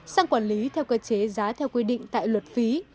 sang quản lý theo cơ chế giá theo quy định tại luật phí